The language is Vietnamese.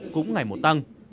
cũng ngày một tăng